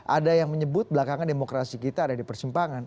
ada yang menyebut belakangan demokrasi kita ada di persimpangan